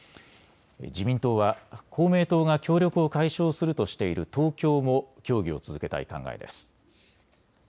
自民党は公明党が協力を解消するとしている東京も協議を続けたい考えです。